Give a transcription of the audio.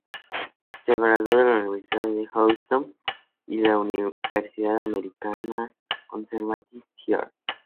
Se graduó de la Universidad de Houston y del American Conservatory Theater.